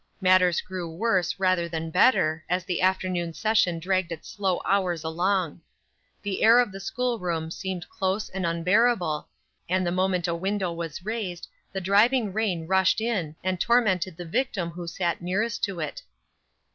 Matters grew worse, rather than better, as the afternoon session dragged its slow hours along. The air of the school room seemed close and unbearable, and the moment a window was raised the driving rain rushed in and tormented the victim who sat nearest to it.